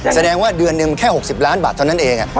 แสดงว่าเดือนหนึ่งแค่๖๐ล้านบาทเท่านั้นเอง